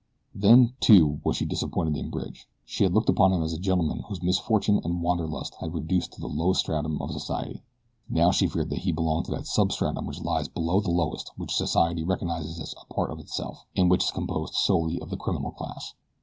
Then, too, was she disappointed in Bridge. She had looked upon him as a gentleman whom misfortune and wanderlust had reduced to the lowest stratum of society. Now she feared that he belonged to that substratum which lies below the lowest which society recognizes as a part of itself, and which is composed solely of the criminal class.